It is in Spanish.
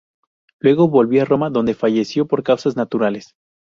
Luego volvió a Roma donde falleció por causas naturales.